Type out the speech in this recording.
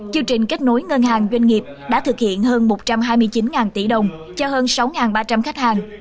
chương trình kết nối ngân hàng doanh nghiệp đã thực hiện hơn một trăm hai mươi chín tỷ đồng cho hơn sáu ba trăm linh khách hàng